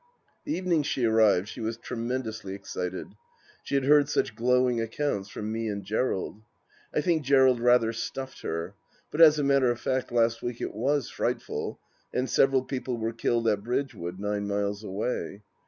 The evening she arrived she was tremendously excited. She had heard such glowing accoimts from me and Gerald. I think Gerald rather " stuffed " her, but as a matter of fact last week it was frightful, and several people were killed at Bridgewood nine miles away.